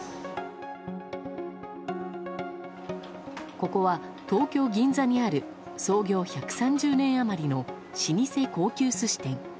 ここは、東京・銀座にある創業１３０年余りの老舗高級寿司店。